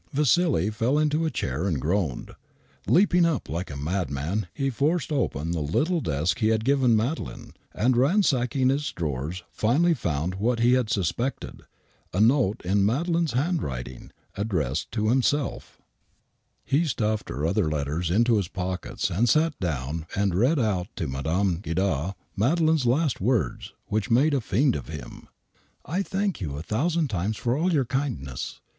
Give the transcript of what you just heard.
Vassili fell into a chair ard groaned. Leaping up like a madman, he forced upen the little desk he had given Madeleine, and ransacking its drawers, finally found what he had suspected, a note in Madeleine's handwriting, ad dressed to himself. «'••♦•««. 4 «V THE WHITECHAPEL MURDERS 57 ^ A:% *■ l,.» «' 4 ^^ He stuffed her other letters into his pockets and sat down and read out to Mme. Guidard Madeleine's last words, which made a fiend of him: ^ "I thank you a thousand times for all your kindness.